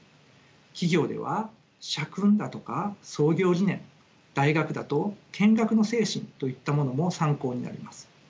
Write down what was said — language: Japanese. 企業では社訓だとか創業理念大学だと建学の精神といったものも参考になります。